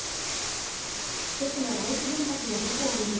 福島第一原発の事故を巡り